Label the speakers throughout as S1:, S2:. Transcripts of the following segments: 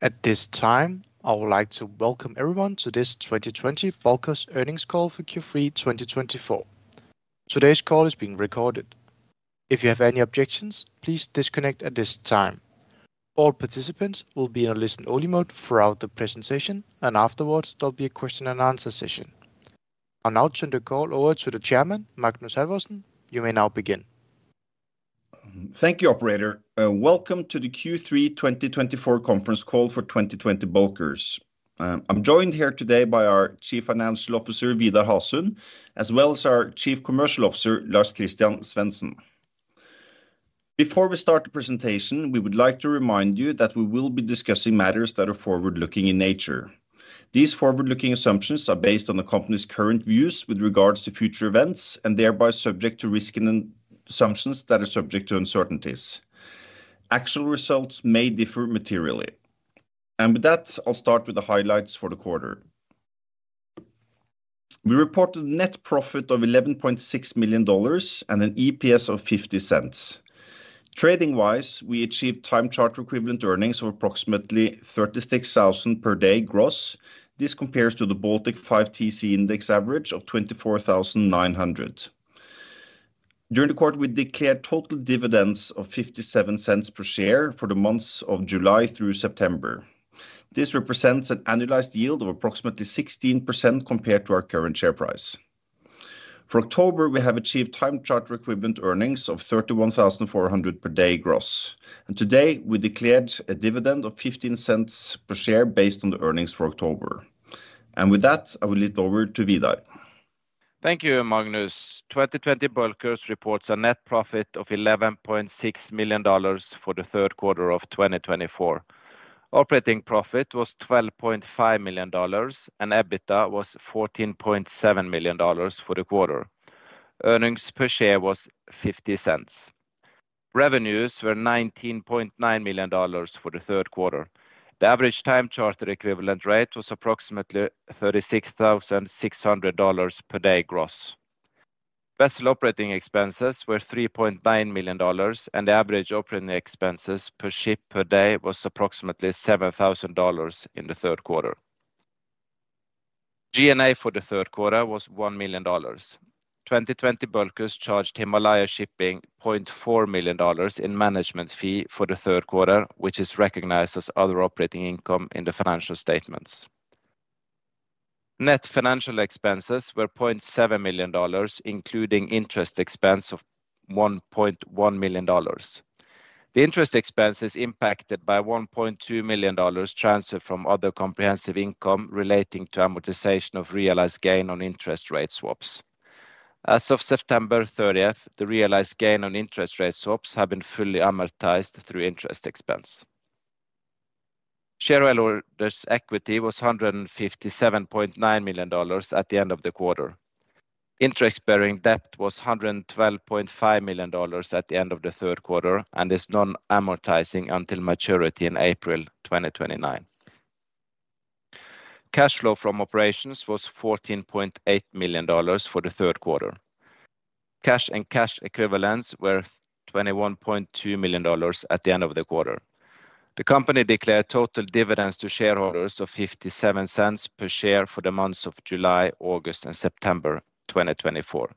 S1: At this time, I would like to welcome everyone to this 2020 Bulkers Earnings Call for Q3 2024. Today's call is being recorded. If you have any objections, please disconnect at this time. All participants will be in a listen-only mode throughout the presentation, and afterwards, there'll be a question-and-answer session. I'll now turn the call over to the Chairman, Magnus Halvorsen. You may now begin.
S2: Thank you, Operator. Welcome to the Q3 2024 Conference Call for 2020 Bulkers. I'm joined here today by our Chief Financial Officer, Vidar Hasund, as well as our Chief Commercial Officer, Lars-Christian Svensen. Before we start the presentation, we would like to remind you that we will be discussing matters that are forward-looking in nature. These forward-looking assumptions are based on the company's current views with regards to future events and thereby subject to risk assumptions that are subject to uncertainties. Actual results may differ materially. And with that, I'll start with the highlights for the quarter. We reported a net profit of $11.6 million and an EPS of $0.50. Trading-wise, we achieved time charter equivalent earnings of approximately $36,000 per day gross. This compares to the Baltic 5TC Index average of $24,900. During the quarter, we declared total dividends of $0.57 per share for the months of July through September. This represents an annualized yield of approximately 16% compared to our current share price. For October, we have achieved time charter equivalent earnings of $31,400 per day gross, and today, we declared a dividend of $0.15 per share based on the earnings for October, and with that, I will hand it over to Vidar.
S3: Thank you, Magnus. 2020 Bulkers reports a net profit of $11.6 million for the third quarter of 2024. Operating profit was $12.5 million, and EBITDA was $14.7 million for the quarter. Earnings per share was $0.50. Revenues were $19.9 million for the third quarter. The average time charter equivalent rate was approximately $36,600 per day gross. Vessel operating expenses were $3.9 million, and the average operating expenses per ship per day was approximately $7,000 in the third quarter. G&A for the third quarter was $1 million. 2020 Bulkers charged Himalaya Shipping $0.4 million in management fee for the third quarter, which is recognized as other operating income in the financial statements. Net financial expenses were $0.7 million, including interest expense of $1.1 million. The interest expense is impacted by $1.2 million transferred from other comprehensive income relating to amortization of realized gain on interest rate swaps. As of September 30, the realized gain on interest rate swaps have been fully amortized through interest expense. Shareholders' equity was $157.9 million at the end of the quarter. Interest-bearing debt was $112.5 million at the end of the third quarter and is non-amortizing until maturity in April 2029. Cash flow from operations was $14.8 million for the third quarter. Cash and cash equivalents were $21.2 million at the end of the quarter. The company declared total dividends to shareholders of $0.57 per share for the months of July, August, and September 2024.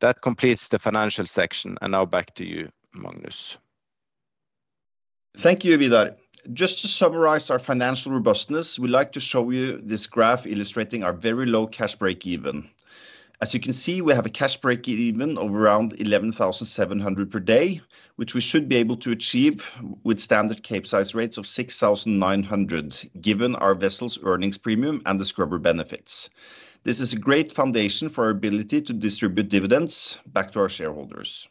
S3: That completes the financial section, and now back to you, Magnus.
S2: Thank you, Vidar. Just to summarize our financial robustness, we'd like to show you this graph illustrating our very low cash break-even. As you can see, we have a cash break-even of around $11,700 per day, which we should be able to achieve with standard Capesize rates of $6,900, given our vessel's earnings premium and the scrubber benefits. This is a great foundation for our ability to distribute dividends back to our shareholders.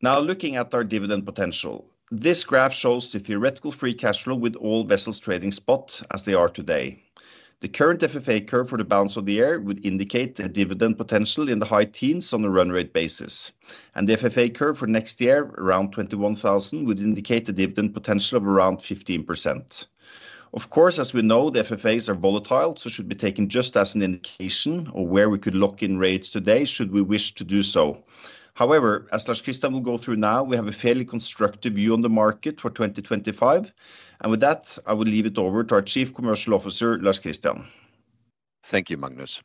S2: Now, looking at our dividend potential, this graph shows the theoretical free cash flow with all vessels trading spot as they are today. The current FFA curve for the balance of the year would indicate a dividend potential in the high teens on a run rate basis, and the FFA curve for next year, around $21,000, would indicate a dividend potential of around 15%. Of course, as we know, the FFAs are volatile, so should be taken just as an indication of where we could lock in rates today should we wish to do so. However, as Lars-Christian will go through now, we have a fairly constructive view on the market for 2025, and with that, I will leave it over to our Chief Commercial Officer, Lars-Christian.
S4: Thank you, Magnus.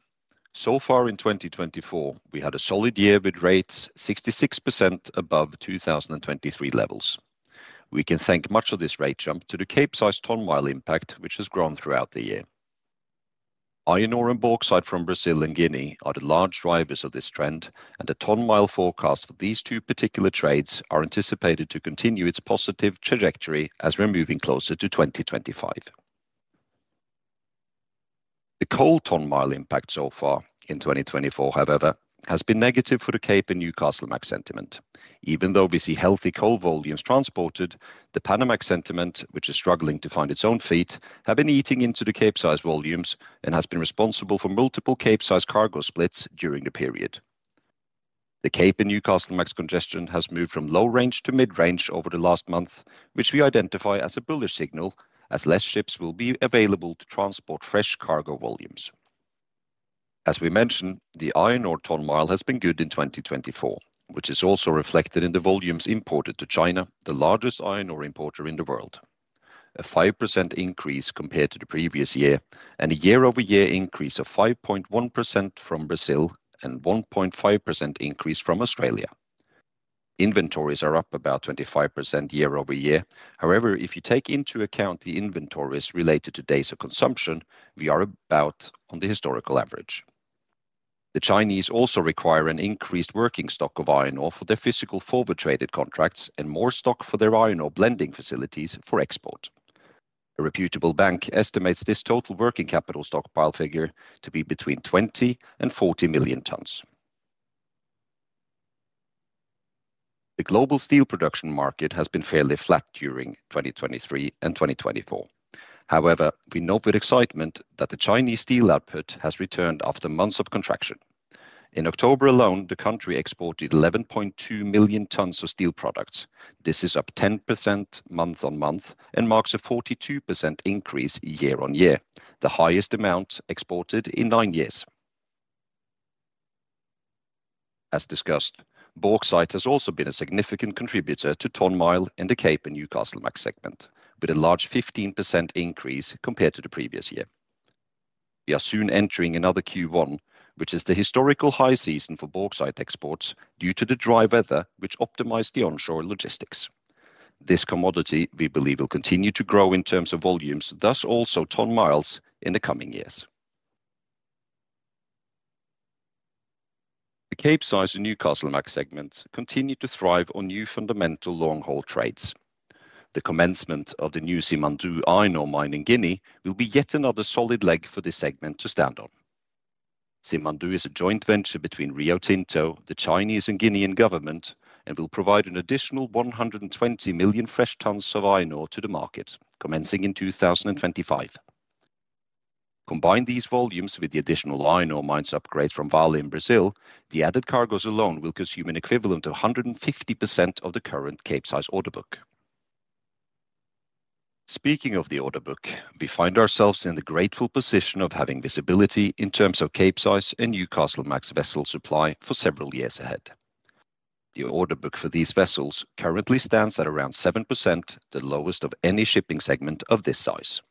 S4: So far in 2024, we had a solid year with rates 66% above 2023 levels. We can thank much of this rate jump to the Capesize ton-mile impact, which has grown throughout the year. Iron ore and bauxite from Brazil and Guinea are the large drivers of this trend, and the ton-mile forecast for these two particular trades is anticipated to continue its positive trajectory as we're moving closer to 2025. The coal ton-mile impact so far in 2024, however, has been negative for the Capesize and Newcastlemax segment. Even though we see healthy coal volumes transported, the Panamax segment, which is struggling to find its own feet, has been eating into the Capesize volumes and has been responsible for multiple Capesize cargo splits during the period. The Capesize and Newcastlemax congestion has moved from low range to mid-range over the last month, which we identify as a bullish signal, as less ships will be available to transport fresh cargo volumes. As we mentioned, the iron ore ton-mile has been good in 2024, which is also reflected in the volumes imported to China, the largest iron ore importer in the world. A 5% increase compared to the previous year, and a year-over-year increase of 5.1% from Brazil and a 1.5% increase from Australia. Inventories are up about 25% year-over-year. However, if you take into account the inventories related to daily consumption, we are about on the historical average. The Chinese also require an increased working stock of iron ore for their physical forward-traded contracts and more stock for their iron ore blending facilities for export. A reputable bank estimates this total working capital stockpile figure to be between 20 and 40 million tons. The global steel production market has been fairly flat during 2023 and 2024. However, we note with excitement that the Chinese steel output has returned after months of contraction. In October alone, the country exported 11.2 million tons of steel products. This is up 10% month-on-month and marks a 42% increase year-on-year, the highest amount exported in nine years. As discussed, bauxite has also been a significant contributor to ton-mile in the Capesize and Newcastlemax segment, with a large 15% increase compared to the previous year. We are soon entering another Q1, which is the historical high season for bauxite exports due to the dry weather, which optimized the onshore logistics. This commodity, we believe, will continue to grow in terms of volumes, thus also ton-miles in the coming years. The Capesize and Newcastlemax segments continue to thrive on new fundamental long-haul trades. The commencement of the new Simandou iron ore mine in Guinea will be yet another solid leg for this segment to stand on. Simandou is a joint venture between Rio Tinto, the Chinese and Guinean government, and will provide an additional 120 million fresh tons of iron ore to the market, commencing in 2025. Combine these volumes with the additional iron ore mines upgrade from Vale in Brazil. The added cargoes alone will consume an equivalent of 150% of the current Capesize order book. Speaking of the order book, we find ourselves in the grateful position of having visibility in terms of Capesize and Newcastlemax vessel supply for several years ahead. The order book for these vessels currently stands at around 7%, the lowest of any shipping segment of this size.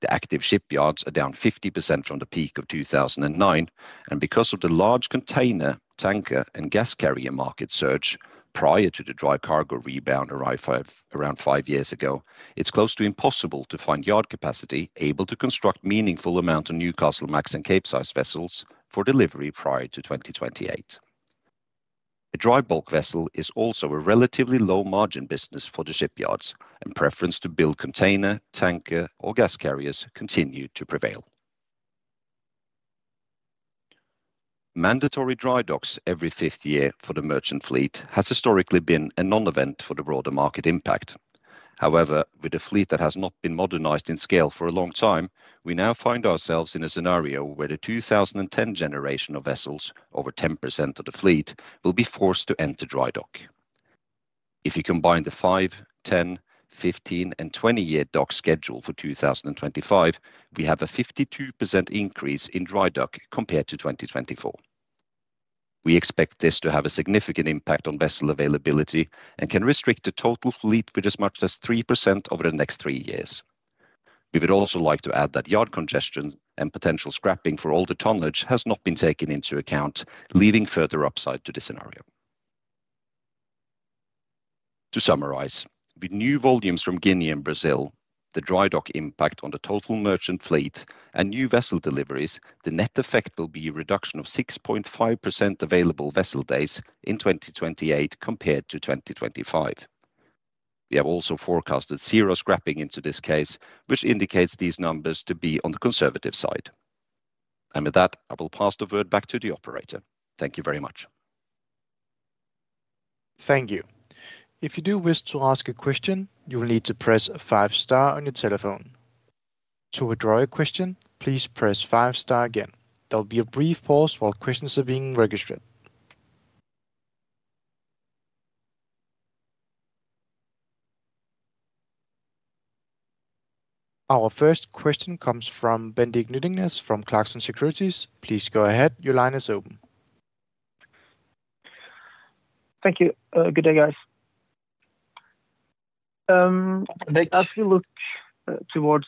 S4: The active shipyards are down 50% from the peak of 2009, and because of the large container, tanker, and gas carrier market surge prior to the dry cargo rebound around five years ago, it's close to impossible to find yard capacity able to construct a meaningful amount of Newcastlemax and Capesize vessels for delivery prior to 2028. A dry bulk vessel is also a relatively low-margin business for the shipyards, and preference to build container, tanker, or gas carriers continues to prevail. Mandatory dry docks every fifth year for the merchant fleet has historically been a non-event for the broader market impact. However, with a fleet that has not been modernized in scale for a long time, we now find ourselves in a scenario where the 2010 generation of vessels, over 10% of the fleet, will be forced to enter dry dock. If you combine the 5, 10, 15, and 20-year dock schedule for 2025, we have a 52% increase in dry dock compared to 2024. We expect this to have a significant impact on vessel availability and can restrict the total fleet with as much as 3% over the next three years. We would also like to add that yard congestion and potential scrapping for all the tonnage has not been taken into account, leaving further upside to the scenario. To summarize, with new volumes from Guinea and Brazil, the dry dock impact on the total merchant fleet, and new vessel deliveries, the net effect will be a reduction of 6.5% available vessel days in 2028 compared to 2025. We have also forecasted zero scrapping into this case, which indicates these numbers to be on the conservative side. And with that, I will pass the word back to the Operator. Thank you very much.
S1: Thank you. If you do wish to ask a question, you will need to press a five-star on your telephone. To withdraw your question, please press five-star again. There will be a brief pause while questions are being registered. Our first question comes from Bendik Nyttingnes from Clarksons Securities. Please go ahead. Your line is open.
S5: Thank you. Good day, guys. As we look towards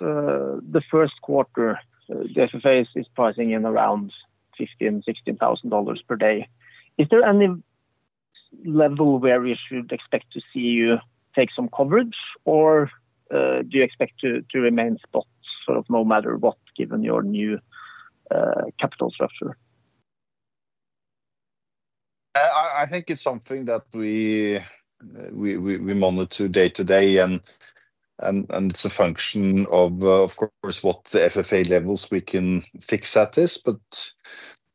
S5: the first quarter, the FFA is pricing in around $15,000-$16,000 per day. Is there any level where we should expect to see you take some coverage, or do you expect to remain spot sort of no matter what, given your new capital structure?
S2: I think it's something that we monitor day to day, and it's a function of, of course, what FFA levels we can fix at this, but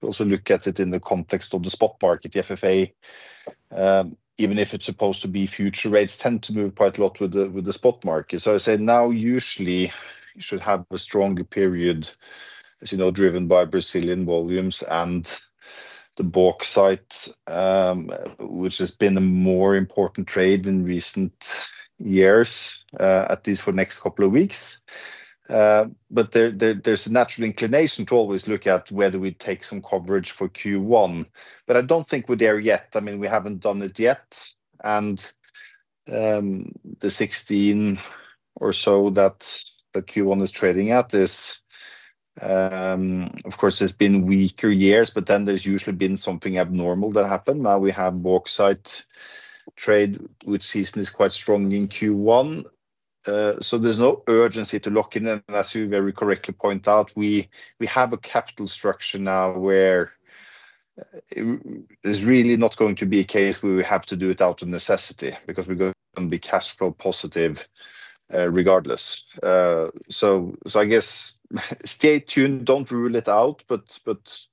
S2: also look at it in the context of the spot market. The FFA, even if it's supposed to be future rates, tends to move quite a lot with the spot market. So I say now, usually, you should have a stronger period, as you know, driven by Brazilian volumes and the bauxite, which has been a more important trade in recent years, at least for the next couple of weeks. But there's a natural inclination to always look at whether we take some coverage for Q1. But I don't think we're there yet. I mean, we haven't done it yet. The 16 or so that Q1 is trading at this, of course, there's been weaker years, but then there's usually been something abnormal that happened. Now we have bauxite trade, which seasonally is quite strong in Q1. There's no urgency to lock in. And as you very correctly point out, we have a capital structure now where there's really not going to be a case where we have to do it out of necessity because we're going to be cash flow positive regardless. I guess stay tuned. Don't rule it out, but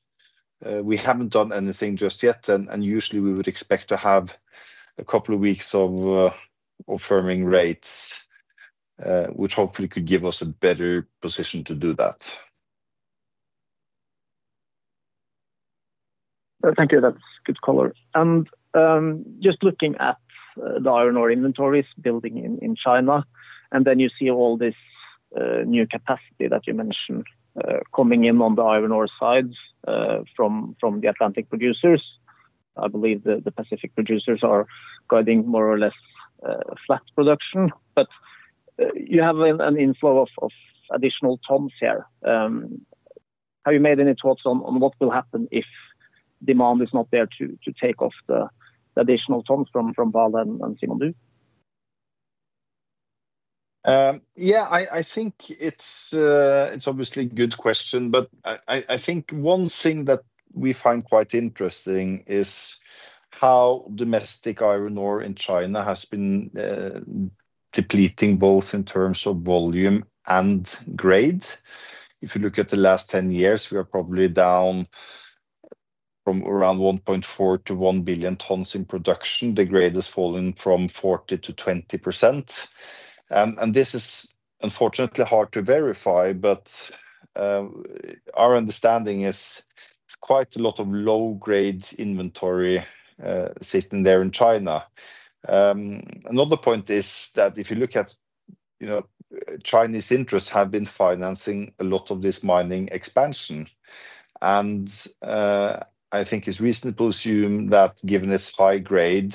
S2: we haven't done anything just yet. Usually, we would expect to have a couple of weeks of firming rates, which hopefully could give us a better position to do that.
S5: Thank you. That's good color. And just looking at the iron ore inventories building in China, and then you see all this new capacity that you mentioned coming in on the iron ore side from the Atlantic producers. I believe the Pacific producers are guiding more or less flat production, but you have an inflow of additional tons here. Have you made any thoughts on what will happen if demand is not there to take off the additional tons from Vale and Simandou?
S2: Yeah, I think it's obviously a good question, but I think one thing that we find quite interesting is how domestic iron ore in China has been depleting both in terms of volume and grade. If you look at the last 10 years, we are probably down from around 1.4 billion-1 billion tons in production. The grade has fallen from 40%-20%, and this is unfortunately hard to verify, but our understanding is quite a lot of low-grade inventory sitting there in China. Another point is that if you look at Chinese interests, they have been financing a lot of this mining expansion. And I think it's reasonable to assume that given its high grade,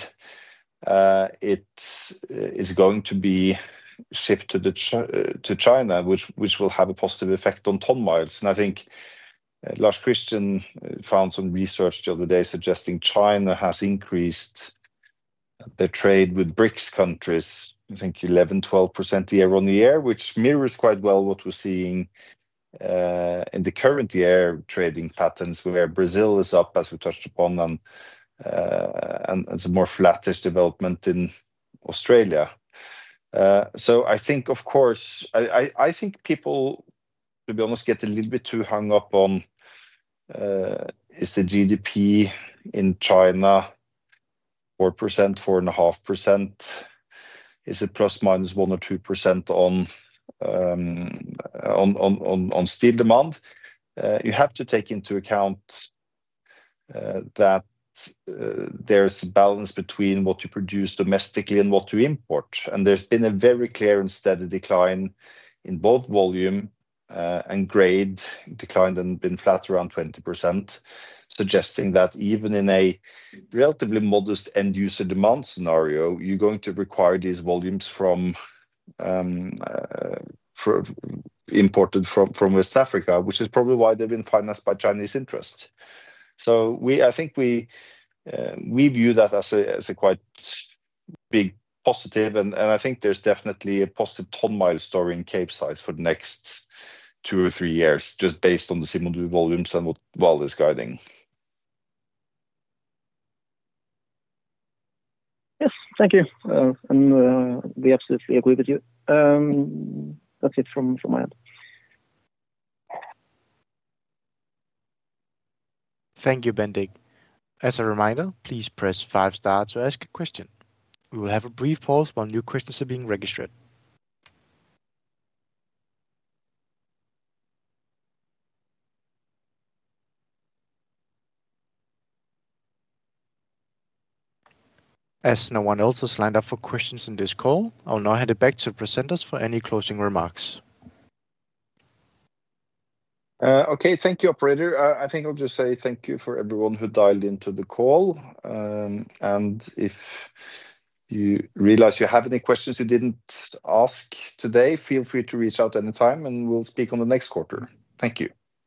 S2: it is going to be shipped to China, which will have a positive effect on ton-miles. I think Lars-Christian found some research the other day suggesting China has increased the trade with BRICS countries, I think 11%, 12% year-on-year, which mirrors quite well what we're seeing in the current year trading patterns where Brazil is up, as we touched upon, and there's a more flattish development in Australia. So I think, of course, I think people, to be honest, get a little bit too hung up on, is the GDP in China 4%, 4.5%? Is it plus minus 1% or 2% on steel demand? You have to take into account that there's a balance between what you produce domestically and what you import. There's been a very clear and steady decline in both volume and grade, declined and been flat around 20%, suggesting that even in a relatively modest end-user demand scenario, you're going to require these volumes imported from West Africa, which is probably why they've been financed by Chinese interests. I think we view that as a quite big positive, and I think there's definitely a positive ton-mile story in Capesize for the next two or three years, just based on the Simandou volumes and what Vale is guiding.
S5: Yes, thank you, and we absolutely agree with you. That's it from my end.
S1: Thank you, Bendik. As a reminder, please press five-star to ask a question. We will have a brief pause while new questions are being registered. As no one else has lined up for questions in this call, I'll now hand it back to the presenters for any closing remarks.
S2: Okay, thank you, Operator. I think I'll just say thank you for everyone who dialed into the call. And if you realize you have any questions you didn't ask today, feel free to reach out anytime, and we'll speak on the next quarter. Thank you.